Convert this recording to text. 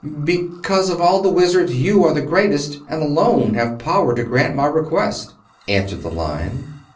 "Because of all Wizards you are the greatest, and alone have power to grant my request," answered the Lion.